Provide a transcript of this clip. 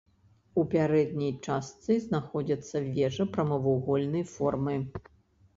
У пярэдняй частцы знаходзіцца вежа прамавугольнай формы.